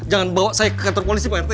jangan bawa saya ke kantor polisi pak rt